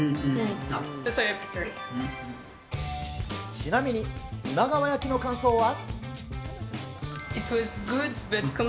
ちなみに、今川焼きの感想は？